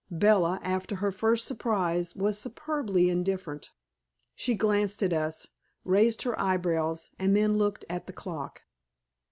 Bella, after her first surprise, was superbly indifferent. She glanced at us, raised her eyebrows, and then looked at the clock.